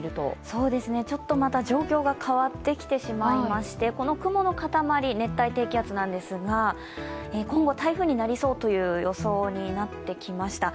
そうですね、ちょっとまた状況が変わってきてしまいましてこの雲の塊、熱帯低気圧なんですが今後、台風になりそうという予想になってきました。